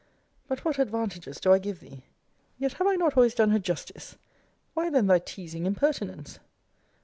But what advantages do I give thee? Yet have I not always done her justice? Why then thy teasing impertinence?